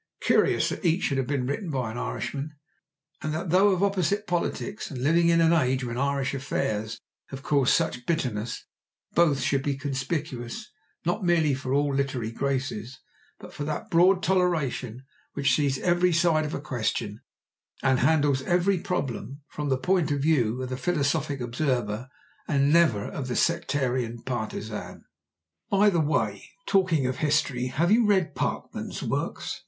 Curious that each should have been written by an Irishman, and that though of opposite politics and living in an age when Irish affairs have caused such bitterness, both should be conspicuous not merely for all literary graces, but for that broad toleration which sees every side of a question, and handles every problem from the point of view of the philosophic observer and never of the sectarian partisan. By the way, talking of history, have you read Parkman's works?